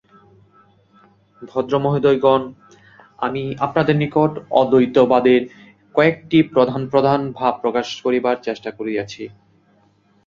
ভদ্রমহোদয়গণ, আমি আপনাদের নিকট অদ্বৈতবাদের কয়েকটি প্রধান প্রধান ভাব প্রকাশ করিবার চেষ্টা করিয়াছি।